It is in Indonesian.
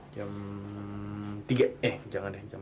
jam tiga eh jangan deh jam empat